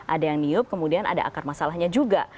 ada yang niup kemudian ada akar masalahnya juga